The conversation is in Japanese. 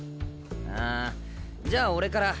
あじゃあ俺から。